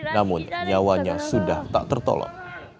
namun nyawanya sudah tak tertolong